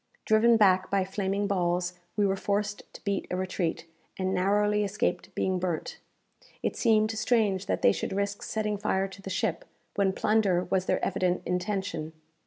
Driven back by flaming balls, we were forced to beat a retreat, and narrowly escaped being burnt. It seemed strange that they should risk setting fire to the ship, when plunder was their evident intention.